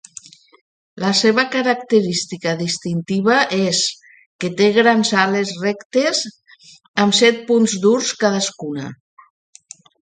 La seva característica distintiva és que té grans ales rectes amb set punts durs cadascuna.